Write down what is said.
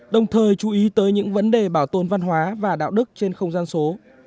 đồng thời chú ý tới những vấn đề bảo tồn văn hóa và đạo đức trên không gian số